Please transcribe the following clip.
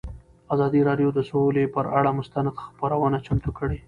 ازادي راډیو د سوله پر اړه مستند خپرونه چمتو کړې.